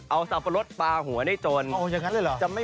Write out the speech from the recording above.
เอาซัปรสปาหัวได้โจรจะไม่รอดชีวิตเลย